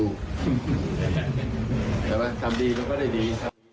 เห็นไหมทำดีก็ได้ดี